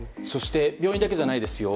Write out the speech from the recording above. そして、病院だけじゃないです。